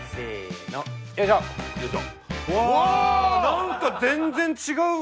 なんか全然違う！